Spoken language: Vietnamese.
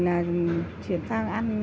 là chuyển sang ăn